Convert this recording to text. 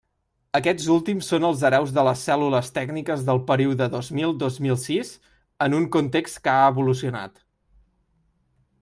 Aquests últims són els hereus de les cèl·lules tècniques del període dos mil dos mil sis en un context que ha evolucionat.